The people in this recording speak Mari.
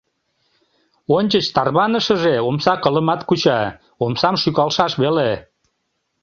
Ончыч тарванышыже омса кылымат куча — омсам шӱкалшаш веле.